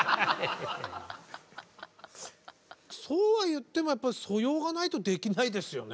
そうは言ってもやっぱり素養がないとできないですよね。